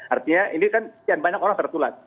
artinya ini kan sekian banyak orang tertular